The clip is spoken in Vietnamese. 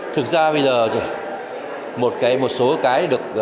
thực ra bây giờ một số cái được